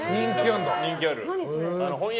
人気ある。